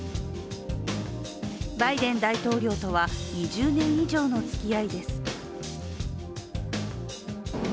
バイデン大統領とは２０年以上のつきあいです。